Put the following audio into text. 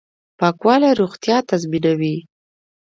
پاکوالی روغتیا تضمینوي